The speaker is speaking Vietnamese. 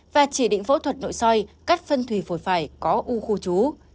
và chỉ định phẫu thuật nội soi cắt phân thủy phổi phải có u khu chú